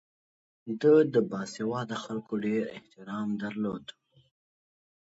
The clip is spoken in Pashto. ده د باسواده خلکو ډېر احترام درلود.